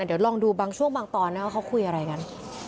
เดี๋ยวลองดูบางช่วงบางตอนนะคะว่าเขาคุยอะไรกัน